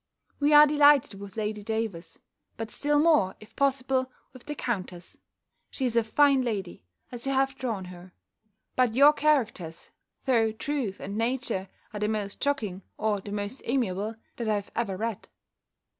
We are delighted with Lady Davers; but still more, if possible, with the countess: she is a fine lady, as you have drawn her: but your characters, though truth and nature, are the most shocking, or the most amiable, that I ever read.